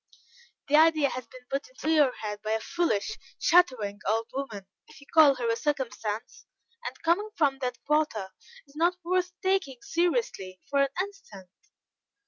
"The idea has been put into your head by a foolish, chattering old woman, if you call her a circumstance, and, coming from that quarter, is not worth taking seriously for an instant."